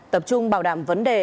tập trung bảo đảm vấn đề